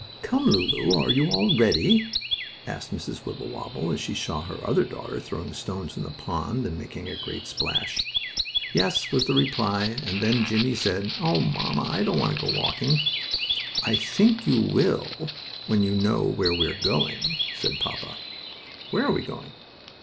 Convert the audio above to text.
"Come, Lulu, are you all ready?" asked Mrs. Wibblewobble, as she saw her other daughter throwing stones in the pond, and making a great splash. "Yes," was the reply, and then Jimmie said: "Oh, mamma, I don't want to go walking." "I think you will want to when you know where we are going," said his papa. "Where are we going?"